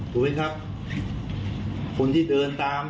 ถูกไหมครับคนที่เดินตาม